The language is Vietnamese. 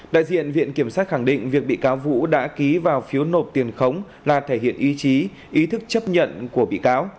đại diện viện kiểm sát khẳng định việc bị cáo vũ đã ký vào phiếu nộp tiền khống là thể hiện ý chí ý thức chấp nhận của bị cáo